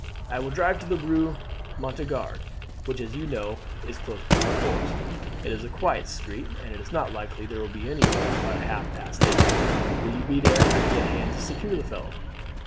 I will drive to the Rue Montagnard, which, as you know, is close to La Force. It is a quiet street, and it is not likely there will be anybody about at half past eight. Will you be there and give me a hand to secure the fellow?"